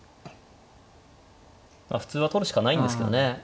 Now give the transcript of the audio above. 普通は取るしかないんですけどね。